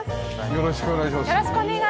よろしくお願いします。